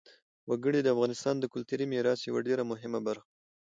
وګړي د افغانستان د کلتوري میراث یوه ډېره مهمه برخه ده.